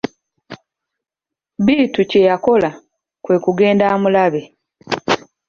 Bittu kye yakola, kwe kugenda amulabe.